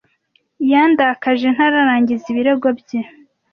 Yandakaje ntarangiza ibirego bye.